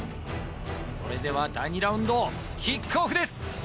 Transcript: それでは第２ラウンドキックオフです！